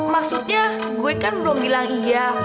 maksudnya gue kan belum bilang iya